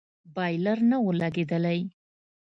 بايلر نه و لگېدلى.